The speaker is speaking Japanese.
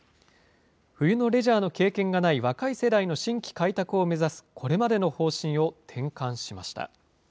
冬のレジャーの経験がない若い世代の新規開拓を目指すこれまでの方針を転換しました。